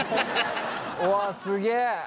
おわすげえ！